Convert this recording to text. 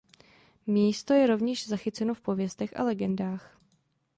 Místo je rovněž zachyceno v pověstech a legendách.